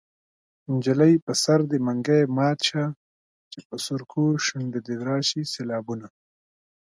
نجلۍ په سر دې منګی مات شه چې په سرکو شونډو دې راشي سېلابونه